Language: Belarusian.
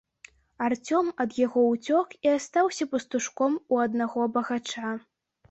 Арцём ад яго ўцёк і астаўся пастушком у аднаго багача.